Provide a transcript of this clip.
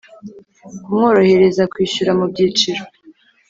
kumworohereza kwishyura mu byiciro